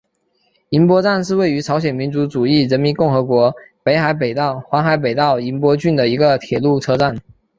银波站是位于朝鲜民主主义人民共和国黄海北道银波郡的一个铁路车站。